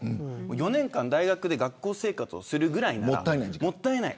４年間、大学で学校生活をするぐらいなら時間がもったいない。